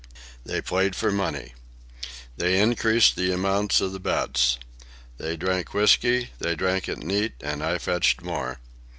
They played for money. They increased the amounts of the bets. They drank whisky, they drank it neat, and I fetched more.